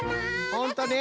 ほんとね。